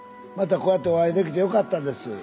またこうやってお会いできてよかったです。